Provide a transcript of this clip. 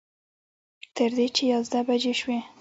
تر دې چې یازده بجې شوې.